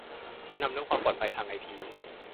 แนะนำเรื่องความปลอดภัยทางไอที